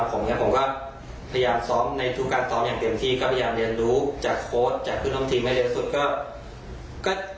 ผมก็พยายามซ้อมในทุกการซ้อมอย่างเต็มที่ก็พยายามเรียนรู้จากโค้ชจากเพื่อนร่วมทีมให้เร็วสุดก็